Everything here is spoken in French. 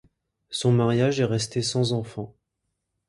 Son mariage est resté sans enfant.